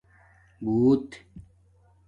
بُݸت